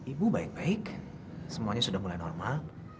ibu baik baik semuanya sudah mulai normal